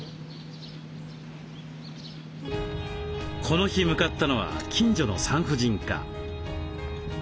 この日向かったのは近所の産婦人科。